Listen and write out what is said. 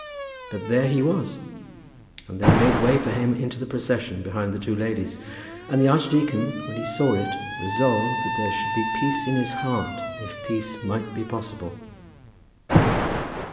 But there he was, and they made way for him into the procession behind the two ladies, and the archdeacon, when he saw it, resolved that there should be peace in his heart, if peace might be possible.